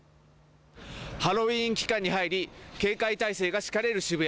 ハロウィーン期間に入り警戒態勢が敷かれる渋谷。